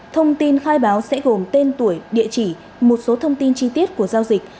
thông tin khai báo sẽ gồm tên tuổi địa chỉ một số thông tin chi tiết của giao dịch